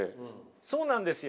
そうなんですよ。